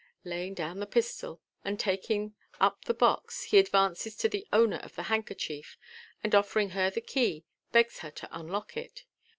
Laying down the pistol, and taking p the box, he advances to the owner of the hand kerchief, and, offering her the key, begs her to unlock it.